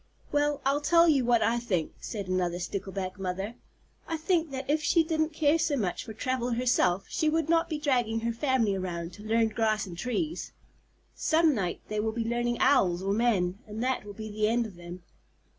"Well, I'll tell you what I think," said another Stickleback Mother. "I think that if she didn't care so much for travel herself, she would not be dragging her family around to learn grass and trees. Some night they will be learning Owls or men, and that will be the end of them!"